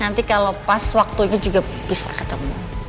nanti kalau pas waktunya juga bisa ketemu